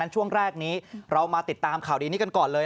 ช่วงแรกนี้เรามาติดตามข่าวดีนี้กันก่อนเลย